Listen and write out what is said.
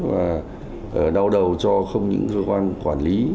và đau đầu cho không những cơ quan quản lý